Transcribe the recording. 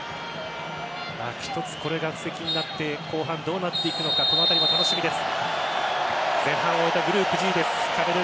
１つこれが布石になって後半どうなっていくのかも楽しみです。